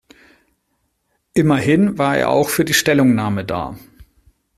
Immerhin war er auch für die Stellungnahme da.